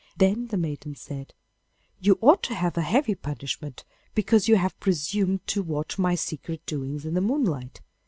Then the maiden said, 'You ought to have a heavy punishment because you have presumed to watch my secret doings in the moonlight.